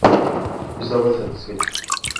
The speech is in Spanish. Yo estaba satisfecho.